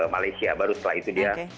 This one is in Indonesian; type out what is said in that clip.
malaysia baru setelah itu dia